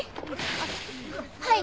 あっはい。